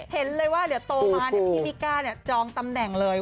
เห็นเลยว่าเดี๋ยวโตมาพี่มิก้าจองตำแหน่งเลย